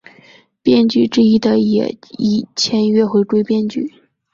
编剧之一的也已签约回归编剧。